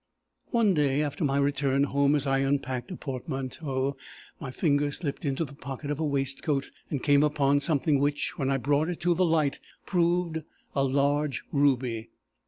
"One day, after my return home, as I unpacked a portmanteau, my fingers slipped into the pocket of a waistcoat, and came upon something which, when I brought it to the light, proved a large ruby.